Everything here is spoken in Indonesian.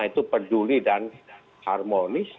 itu peduli dan harmonis